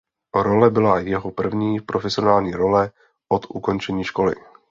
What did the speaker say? Role byla jeho první profesionální role od ukončení školy.